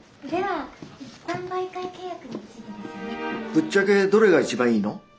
ぶっちゃけどれが一番いいの？